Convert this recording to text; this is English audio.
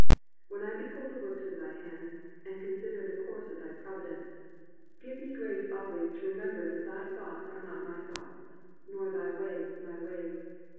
When I behold the works of thy hands, and consider the course of thy providence, give me 325 COMPANIONABLE BOOKS grace always to remember that thy thoughts are not my thoughts, nor thy ways my ways.